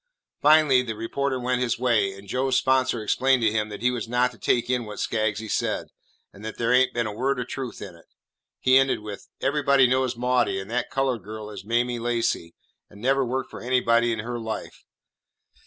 Finally the reporter went his way, and Joe's sponsor explained to him that he was not to take in what Skaggsy said, and that there had n't been a word of truth in it. He ended with, "Everybody knows Maudie, and that coloured girl is Mamie Lacey, and never worked for anybody in her life.